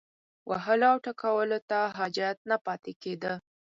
وهلو او ټکولو ته حاجت نه پاتې کېده.